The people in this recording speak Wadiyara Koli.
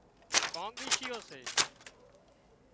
ڪانڳشيئو سي